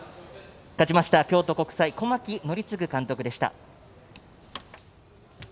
勝ちました京都国際小牧憲継監督でした。